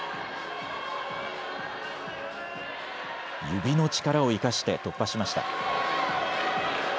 指の力を生かして突破しました。